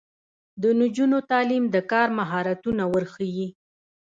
د نجونو تعلیم د کار مهارتونه ورښيي.